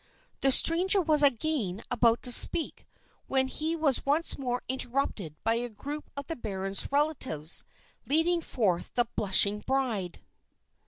The stranger was again about to speak when he was once more interrupted by a group of the baron's relatives leading forth the blushing bride.